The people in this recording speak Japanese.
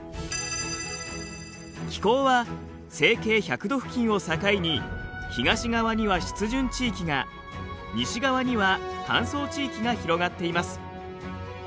気候は西経１００度付近を境に東側には湿潤地域が西側には乾燥地域が広がっています。